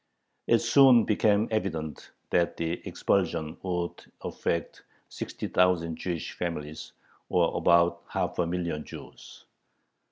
It soon became evident that the expulsion would affect 60,000 Jewish families, or about half a million Jews.